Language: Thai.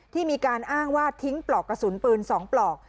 มีการอ้างว่าทิ้งปลอกกระสุนปืน๒ปลอก